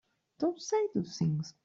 Don't say those things!